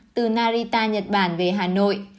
từ narita nhật bản về hà nội